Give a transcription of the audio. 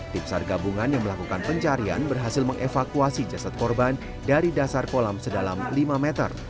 tim sar gabungan yang melakukan pencarian berhasil mengevakuasi jasad korban dari dasar kolam sedalam lima meter